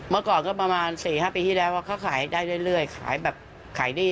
เมื่อก่อนก็ประมาณ๔๕ปีที่แล้วว่าเขาขายได้เรื่อยขายแบบขายหนี้